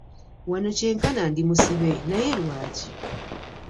Wano kyenkana ndi musibe, naye lwaki?